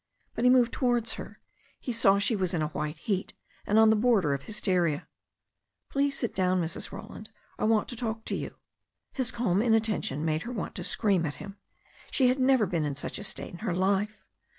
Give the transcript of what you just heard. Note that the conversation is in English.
But he moved towards her. He saw she was in a white heat, and on the border of hysteria. "Please sit down, Mrs. Roland. I want to talk to you." His calm inattention made her want to scream at hioL She had never been in such a state in her life.